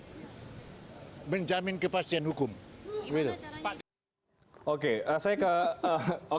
untuk pimpinan kpk taktistas melaksanakan secara baik